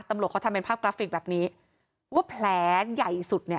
ตำรวจเขาทำเป็นภาพกราฟิกแบบนี้ว่าแผลใหญ่สุดเนี่ย